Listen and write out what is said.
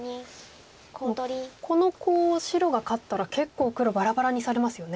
もうこのコウを白が勝ったら結構黒バラバラにされますよね。